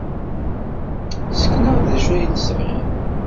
Ssken-aɣ-d d acu ay d-tesɣid.